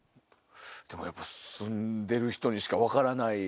でもやっぱ住んでる人にしか分からない